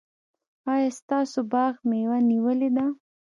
ایا ستاسو باغ مېوه نیولې ده؟